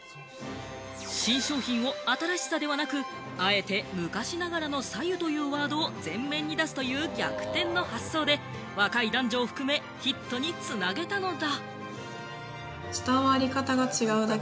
新商品を新しさではなく、あえて昔ながらの「白湯」というワードを前面に出すという逆転の発想で若い男女を含め、ヒットに繋げたのだ。